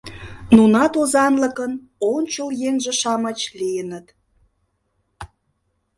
Нунат озанлыкын ончыл еҥже-шамыч лийыныт.